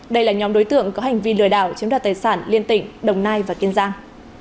đây là nhóm đối tượng có hành vi lừa đảo chiếm đoạt tài sản liên tỉnh đồng nai và kiên giang